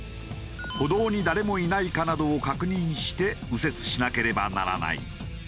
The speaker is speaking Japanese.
歩道に誰もいないかなどを確認して右折しなければならない。